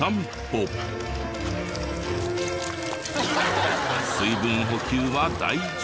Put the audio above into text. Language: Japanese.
水分補給は大事。